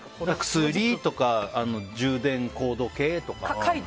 薬とか、充電コード系とか。